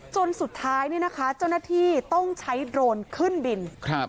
จนสุดท้ายเนี่ยนะคะเจ้าหน้าที่ต้องใช้โดรนขึ้นบิน